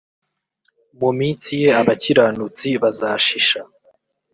mu minsi ye, abakiranutsi bazashisha,